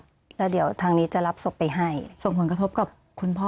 แล้วเดี๋ยวทางนี้จะรับศพไปให้ส่งผลกระทบกับคุณพ่อ